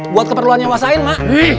buat keperluannya wa sain ma